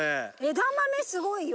枝豆すごいよ。